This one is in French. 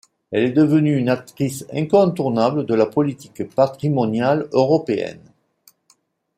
Elle est devenue une actrice incontournable de la politique patrimoniale européenne.